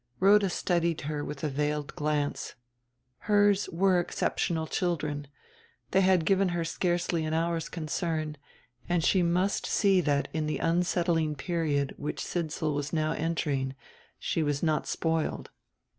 Rhoda studied her with a veiled glance. Hers were exceptional children, they had given her scarcely an hour's concern; and she must see that in the unsettling period which Sidsall was now entering she was not spoiled.